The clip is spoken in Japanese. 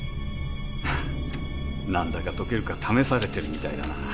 何だか解けるか試されてるみたいだな。